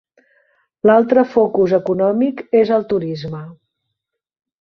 L'altre focus econòmic és el turisme.